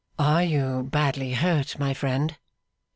'Are you badly hurt, my friend?